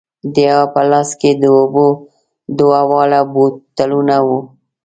د یوه په لاس کې د اوبو دوه واړه بوتلونه وو.